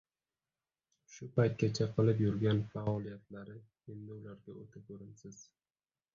Shu paytgacha qilib yurgan faoliyatlari endi ularga o‘ta ko‘rimsiz